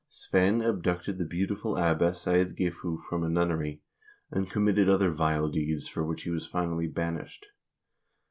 Sweyn abducted the beautiful abbess Eadgifu from a nunnery, and committed other vile deeds, for which he was finally banished.